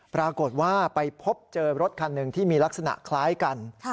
ปรากฏว่าไปพบเจอรถคันหนึ่งที่มีลักษณะคล้ายกัน